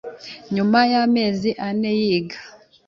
Nyuma y’amezi ane yiga